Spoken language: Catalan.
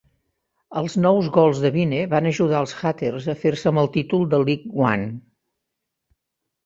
Els nou gols de Vine van ajudar als Hatters a fer-se amb el títol de League One.